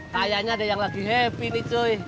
kayaknya ada yang lagi happy nih joy